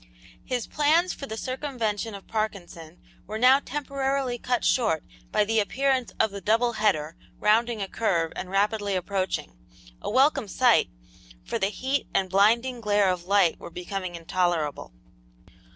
His plans for the circumvention of Parkinson were now temporarily cut short by the appearance of the "double header" rounding a curve and rapidly approaching a welcome sight, for the heat and blinding glare of light were becoming intolerable.